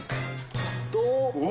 お！